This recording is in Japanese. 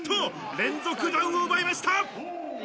連続ダウンを奪いました。